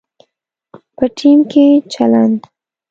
په ټیم کې چلند